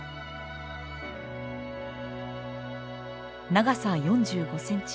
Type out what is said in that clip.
長さ４５センチ。